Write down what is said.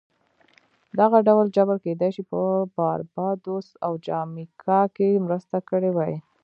دغه ډول جبر کېدای شي په باربادوس او جامیکا کې مرسته کړې وي